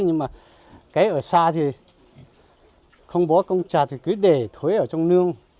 nhưng mà cái ở xa thì không bỏ công trả thì cứ để thuê ở trong nương